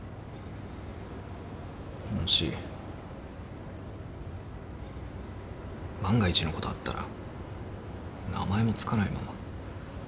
もし万が一のことあったら名前も付かないまま。